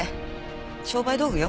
商売道具よ。